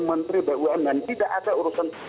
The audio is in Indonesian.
menteri bum dan tidak ada urusan